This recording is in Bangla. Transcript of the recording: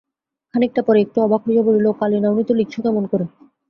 খানিকটা পরে একটু অবাক হইয়া বলিল, কালি নাওনি তো লিখছো কেমন করে?